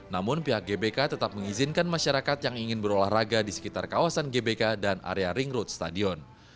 namun pihak gbk tetap mengizinkan masyarakat yang ingin berolahraga di sekitar kawasan gbk dan area ring road stadion